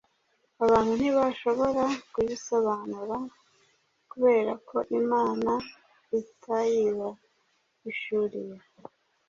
Abantu ntibashobora kuyisobanura kubera ko Imana itayibahishuriye.